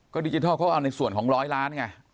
ก็ดิจิทัลเขาเอาในส่วนของร้อยล้านไง